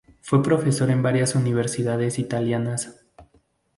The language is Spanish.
Fue profesor en varias universidades italianas.